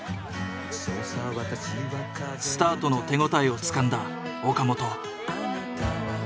スタートの手応えをつかんだ岡本。